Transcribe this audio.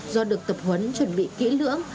do được tập huấn chuẩn bị kỹ lưỡng